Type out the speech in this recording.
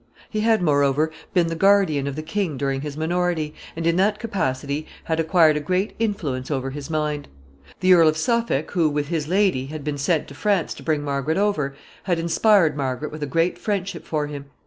He had, moreover, been the guardian of the king during his minority, and in that capacity had acquired a great influence over his mind. The Earl of Suffolk, who, with his lady, had been sent to France to bring Margaret over, had inspired Margaret with a great friendship for him.